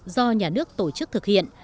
do nhà nước tổ chức thực hiện